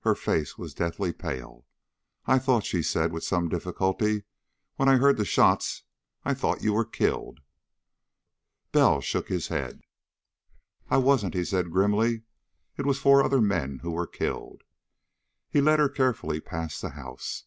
Her face was deathly pale. "I thought," she said with some difficulty, "when I heard the shots I thought you were killed." Bell shook his head. "I wasn't," he said grimly. "It was four other men who were killed." He led her carefully past the house.